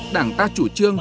đảng ta chủ trương